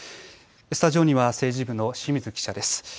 スタジオには政治部の清水記者です。